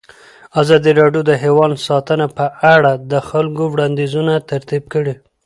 ازادي راډیو د حیوان ساتنه په اړه د خلکو وړاندیزونه ترتیب کړي.